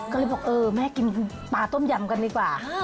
ก็เลยบอกเออแม่กินปลาต้มยำกันดีกว่า